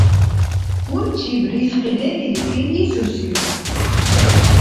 — Гьунчиб, ризкьи дедили, ил исусив?